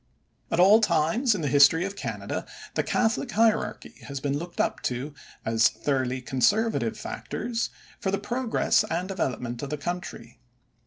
At all times in the history of Canada the Catholic hierarchy has been looked up to as thoroughly conservative factors for the progress and development of the country.